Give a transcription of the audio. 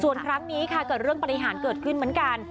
ส่วนครั้งนี้ค่ะเกิดเรื่องปฏิหารเกิดขึ้นเหมือนกัน